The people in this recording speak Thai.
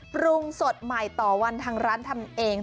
ปรุงสดใหม่ต่อวันทางร้านทำเอง